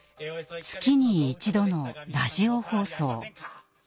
月に１度のラジオ放送。